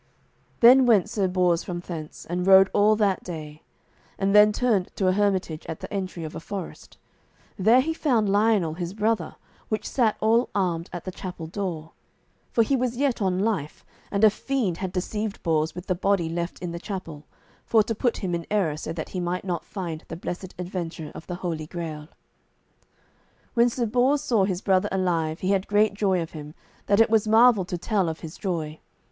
Then went Sir Bors from thence, and rode all that day, and then turned to a hermitage, at the entry of a forest. There he found Lionel his brother, which sat all armed at the chapel door. For he was yet on life, and a fiend had deceived Bors with the body left in the chapel, for to put him in error so that he might not find the blessed adventure of the Holy Grail. When Sir Bors saw his brother alive he had great joy of him, that it was marvel to tell of his joy.